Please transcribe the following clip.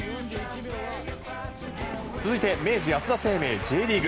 続いて明治安田生命Ｊリーグ。